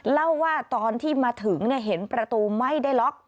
เล่าว่าตอนที่มาถึงเห็นประตูไม่ได้ล็อก